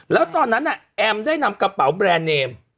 แล้วตอนนั้นแอมได้นำกระเป๋าแบรนด์เนม